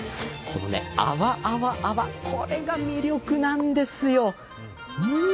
泡泡泡、これが魅力なんですよ。